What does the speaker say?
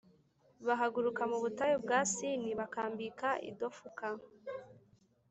Bahaguruka mu butayu bwa Sini bakambika i Dofuka